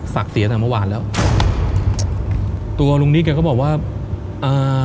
ศักดิ์เสียแต่เมื่อวานแล้วตัวลุงนิดเขาก็บอกว่าอ่า